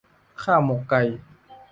ข้าวหมกไก่